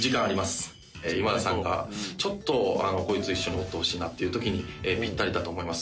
今田さんがちょっと一緒におってほしいなっていうときにぴったりだと思います。